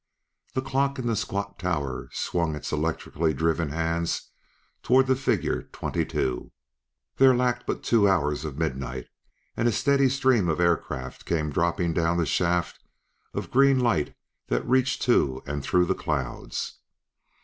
The clock in the squat tower swung its electrically driven hands toward the figure 22; there lacked but two hours of midnight, and a steady stream of aircraft came dropping down the shaft of green light that reached to and through the clouds.